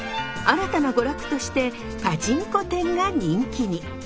新たな娯楽としてパチンコ店が人気に。